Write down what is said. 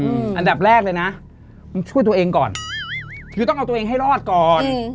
อันดับแรกเลยนะช่วยตัวเองก่อนคือต้องเอาตัวเองให้รอดก่อนอืม